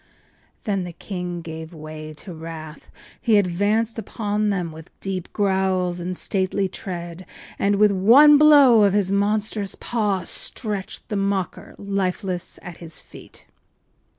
” Then the king gave way to wrath. He advanced upon them with deep growls and stately tread and with one blow of his monstrous paw stretched the mocker lifeless at his feet.